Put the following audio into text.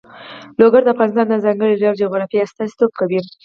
لوگر د افغانستان د ځانګړي ډول جغرافیه استازیتوب کوي.